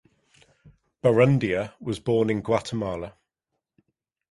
Barrundia was born in Guatemala.